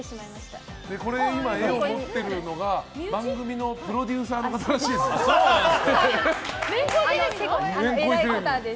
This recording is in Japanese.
絵を持っているのが、番組のプロデューサーの方らしいです。